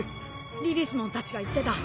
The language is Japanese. リリスモンたちが言ってた。